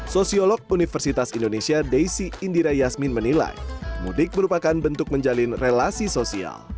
sosiolog universitas indonesia desi indira yasmin menilai mudik merupakan bentuk menjalin relasi sosial